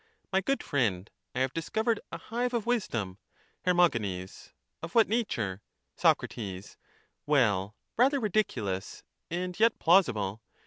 My good friend, I have discovered a hive of wisdom. Her. Of what nature? Soc. Well, rather ridiculous, and yet plausible.